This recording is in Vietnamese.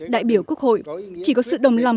đại biểu quốc hội chỉ có sự đồng lòng